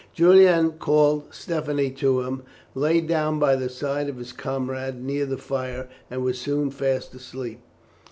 Julian called Stephanie to him, lay down by the side of his comrade near the fire, and was soon fast asleep.